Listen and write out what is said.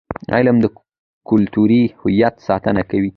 علم د کلتوري هویت ساتنه کوي.